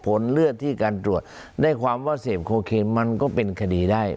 ผลเลือดที่การตรวจได้ความว่าเสพโคเคนมันก็เป็นคดีได้